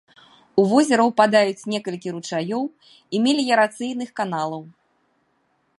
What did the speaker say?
У возера ўпадаюць некалькі ручаёў і меліярацыйных каналаў.